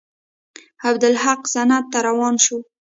عبدالحق سند ته روان شو.